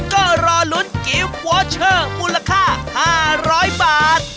ก็รอลุ้นกิฟต์วอเชอร์มูลค่า๕๐๐บาท